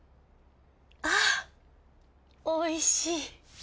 あおいしい。